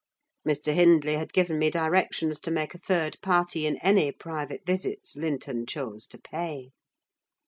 (Mr. Hindley had given me directions to make a third party in any private visits Linton chose to pay.)